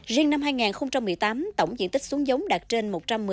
riêng năm hai nghìn một mươi tám tổng diện tích xuống giống đạt trên một trăm một mươi